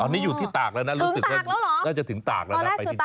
ตอนนี้อยู่ที่ตากแล้วนะรู้สึกว่าน่าจะถึงตากแล้วนะไปที่นี่